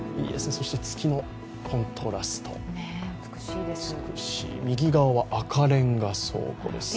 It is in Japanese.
そして月とのコントラスト、美しい右側は赤レンガ倉庫です。